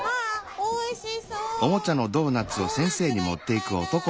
おいしい！